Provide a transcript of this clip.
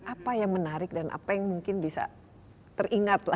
apa yang menarik dan apa yang mungkin bisa teringat lah